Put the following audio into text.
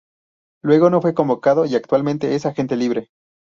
Luego no fue convocado y actualmente es agente libre.